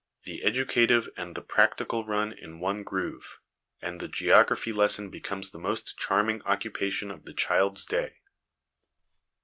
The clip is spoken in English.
The educative and the practical run in one groove, and the geography lesson becomes the most charming occupation of the child's day.